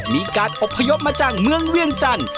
มีการอบพยพมาจากเมืองเวียงจันทร์